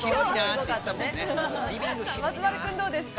松丸君どうですか？